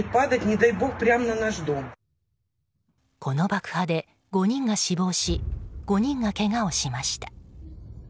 この爆破で５人が死亡し５人がけがをしました。